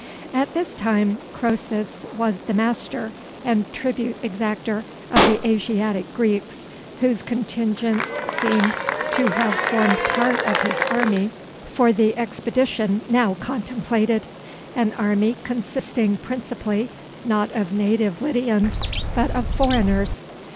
At this time Croesus was the master and tribute exactor of the Asiatic Greeks, whose contingents seem to have formed part of his army for the expedition now contemplated; an army consisting principally, not of native Lydians, but of foreigners.